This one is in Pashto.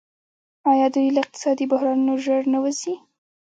آیا دوی له اقتصادي بحرانونو ژر نه وځي؟